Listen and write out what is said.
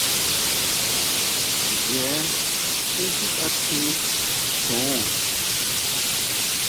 Ncheé tisikatji chjon.